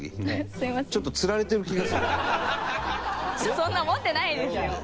そんな思ってないですよ！